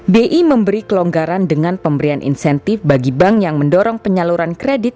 bi memberi kelonggaran dengan pemberian insentif bagi bank yang mendorong penyaluran kredit